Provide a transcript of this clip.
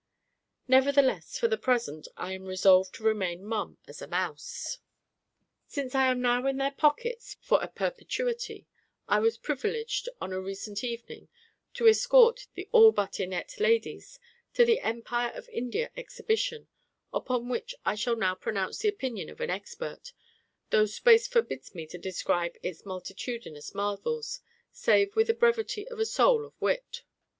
_" Nevertheless, for the present, I am resolved to remain mum as a mouse. Since I am now in their pockets for a perpetuity, I was privileged on a recent evening to escort the ALLBUTT INNETT ladies to the Empire of India Exhibition, upon which I shall now pronounce the opinion of an expert, though space forbids me to describe its multitudinous marvels, save with the brevity of a soul of wit.